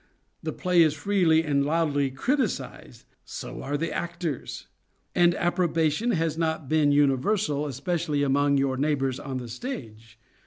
The play is freely and loudly criticised; so are the actors. And approbation has not been universal, especially among your neighbours on the stage.